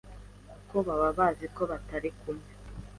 kuko baba bazi ko batari kumwe,